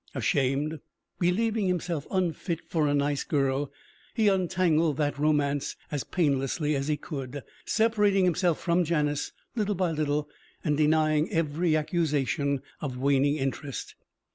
Ashamed, believing himself unfit for a nice girl, he untangled that romance as painlessly as he could, separating himself from Janice little by little and denying every accusation of waning interest.